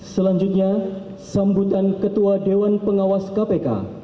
selanjutnya sambutan ketua dewan pengawas kpk